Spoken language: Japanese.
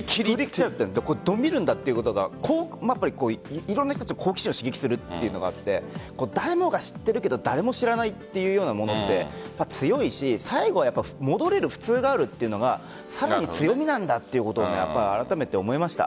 伸びるんだっていうことがいろんな人たちの好奇心を刺激するというのがあって誰もが知ってるけど誰も知らないというものって強いし、最後は戻れる普通があるというのがさらに強みなんだなということをあらためて思いました。